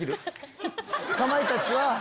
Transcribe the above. かまいたちは。